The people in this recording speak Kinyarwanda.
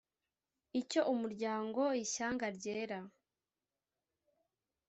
Icyo umuryango ishyanga ryera